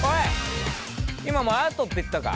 今お前アートって言ったか？